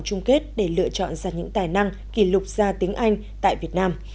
chọn ra những tài năng kỷ lục xa tiếng anh tại việt nam